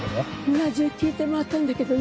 村中聞いて回ったんだけどね。